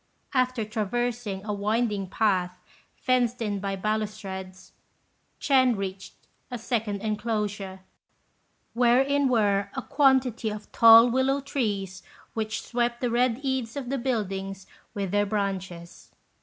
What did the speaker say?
After traversing a winding path fenced in by balustrades, Ch'ên reached a second enclosure, wherein were a quantity of tall willow trees which swept the red eaves of the buildings with their branches.